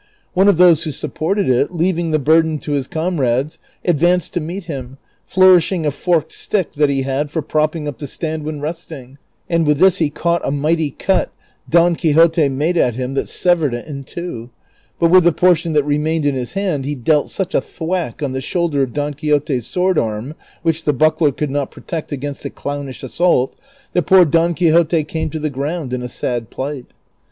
One of those Avho supported it, leaA'ing the burden to his comrades, advanced to meet him, flourishing a forked stick that he had for propping up the stand Avhen resting, and Avith this he caught a mighty cut Don Quixote made at him that severed it in two ; but Avith the portion that remained in his hand he dealt siu h a tliAvack on the shoulder of Don Quixote's sword arm (which the buckler could not protect against the clownish assault) that poor Don Quixote came to the ground in a sad plight.